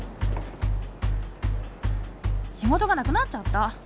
「仕事がなくなっちゃった。